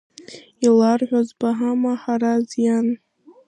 Иларҳәаз баҳама Ҳараз иан?